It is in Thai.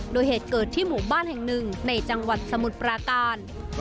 โดยเหตุเกิดที่หมู่บ้านแห่งหนึ่งในจังหวัดสมุทรปราการ